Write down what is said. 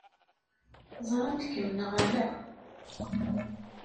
Ẓṛant-kem neɣ ala?